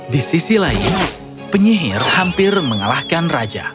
di sisi lain penyihir hampir mengalahkan raja